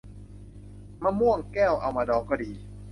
มะม่วงแก้ว เอามาดองก็ดี